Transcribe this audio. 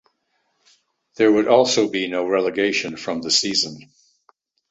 There would also be no relegation from the season.